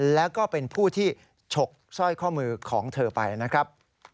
แล้วก็เป็นผู้ที่ฉกสร้อยข้อมือของเธอไปนะครับ